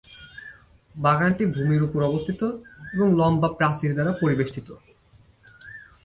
বাগানটি ভূমির ওপর অবস্থিত এবং লম্বা প্রাচীর দ্বারা পরিবেষ্টিত।